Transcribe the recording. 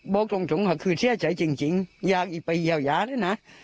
บอกตรงคือเชื่อใจจริงอยากอีกไปอย่าเลยนะ